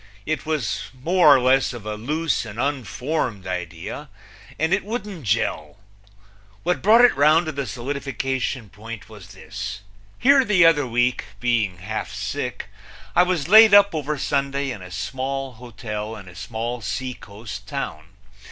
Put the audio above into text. It was more or less of a loose and unformed idea, and it wouldn't jell. What brought it round to the solidification point was this: Here the other week, being half sick, I was laid up over Sunday in a small hotel in a small seacoast town.